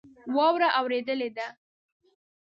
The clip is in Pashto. واوره اوریدلی ده